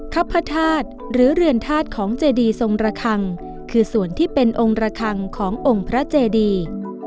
พระธาตุหรือเรือนธาตุของเจดีทรงระคังคือส่วนที่เป็นองค์ระคังขององค์พระเจดี